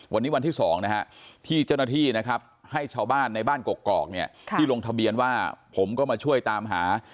วันนี้วันที่๒นะฮะที่เจ้าหน้าที่นะครับให้ชาวบ้านในบ้านกกอกเนี่ยที่ลงทะเบียนว่าผมก็มาช่วยตามหา